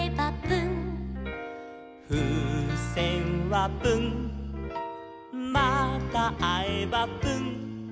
「ふうせんはプンまたあえばプン」